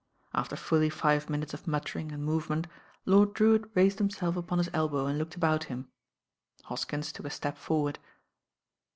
After fully five minutes of muttering and move ment. Lord Drcwitt raised himself upon his elbow and looked about him. Hoikins took a step forward.